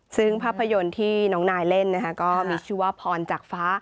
ซึ่งภาพยนตร์ที่น้องนายเล่นนะคะก็มีชื่อว่าพรจากฟ้า